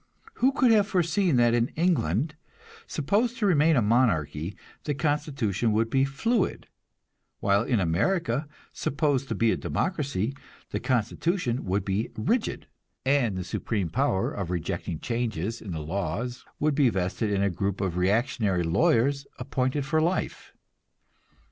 Who could have foreseen that in England, supposed to remain a monarchy, the constitution would be fluid; while in America, supposed to be a democracy, the constitution would be rigid, and the supreme power of rejecting changes in the laws would be vested in a group of reactionary lawyers appointed for life?